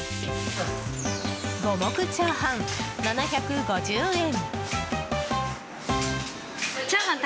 五目チャーハン、７５０円。